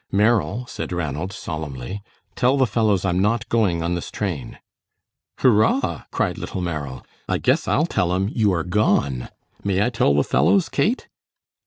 "Merrill," said Ranald, solemnly, "tell the fellows I'm not going on this train." "Hoorah!" cried little Merrill, "I guess I'll tell 'em you are gone. May I tell the fellows, Kate?"